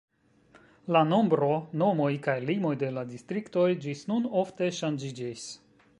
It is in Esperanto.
La nombro, nomoj kaj limoj de la distriktoj ĝis nun ofte ŝanĝiĝis.